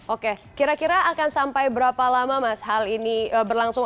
oke kira kira akan sampai berapa lama mas hal ini berlangsung